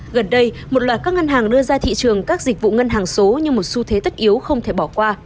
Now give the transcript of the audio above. gần đây một loạt các ngân hàng đưa ra thị trường các dịch vụ ngân hàng số như một xu thế tất yếu không thể bỏ qua